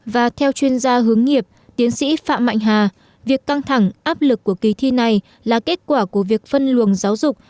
và theo chuyên gia hướng nghiệp tiến sĩ phạm mạnh hà việc căng thẳng áp lực của kỳ thi này là kết quả của việc phân luồng giáo dục